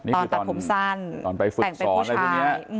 ตอนตัดผมสั้นแต่งเป็นผู้ชาย